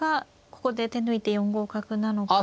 ここで手抜いて４五角なのか。